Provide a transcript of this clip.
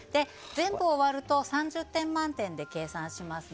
全部終わると３０点満点で計算します。